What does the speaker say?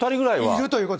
いるということ。